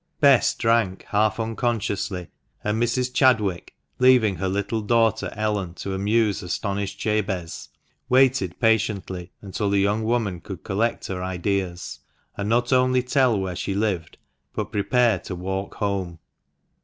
Bess drank, half unconsciously, and Mrs. Chadwick, leaving her little daughter Ellen to amuse astonished Jabez, waited patiently until the young woman could collect her ideas, and not only tell where she lived, but prepare to walk home.